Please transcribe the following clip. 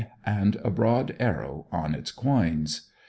and a broad arrow on its quoins.